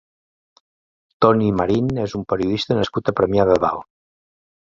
Toni Marín és un periodista nascut a Premià de Dalt.